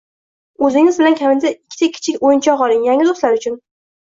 o‘zingiz bilan kamida ikkita kichik o‘yinchoq oling – yangi do‘stlar uchun.